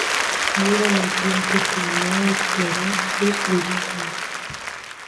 Vieron allí la oportunidad explorar sus inquietudes.